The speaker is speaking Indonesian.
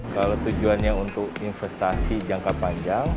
kalau tujuannya untuk investasi jangka panjang